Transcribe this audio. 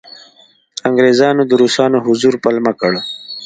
انګریزانو د روسانو حضور پلمه کړ.